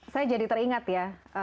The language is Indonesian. saya jadi teringat ya